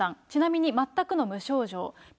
ちなみに全くの無症状。